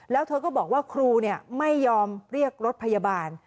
แล้วเธอก็บอกว่าครูไม่ยอมเรียกรถพยาบาล